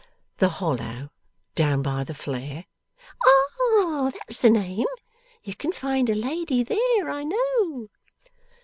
'The hollow down by the flare?' 'Ah! That's the name! You can find a lady there, I know.